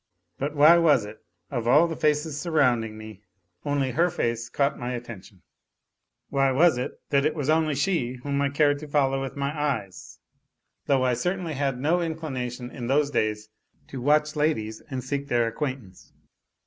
But why was it, of all the faces surrounding me, only her face caught my attention ? Why was it that it only she whom I cared to follow with my eyes, though I certainly had no inclination in those days to watch ladies and seek their acquaintance